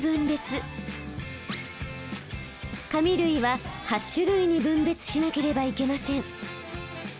紙類は８種類に分別しなければいけません。